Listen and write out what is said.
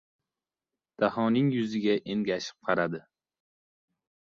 Dahoning yuziga engashib qaradi.